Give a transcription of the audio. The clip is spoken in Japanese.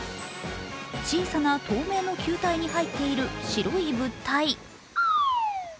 小さな透明の球体に入っている白い物体。